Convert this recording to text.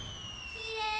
きれい！